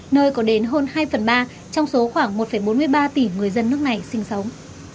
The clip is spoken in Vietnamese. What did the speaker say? nơi có đến hơn hai phần ba trong số khoảng một bốn mươi ba tỷ người dân nước này sinh sống